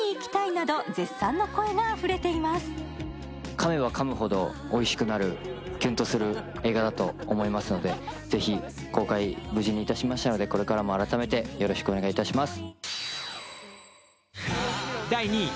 かめばかむほどおいしくなるキュンとする映画だと思うのでぜひ公開、無事にいたしましたのでこれからも改めてよろしくお願いいたします。